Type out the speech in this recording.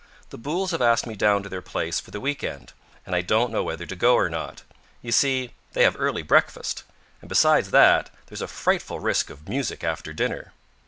The Booles have asked me down to their place for the week end, and I don't know whether to go or not. You see, they have early breakfast, and besides that there's a frightful risk of music after dinner.